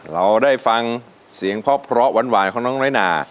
เราได้ฟังเสียงเพราะหวานของน้องน้อยนา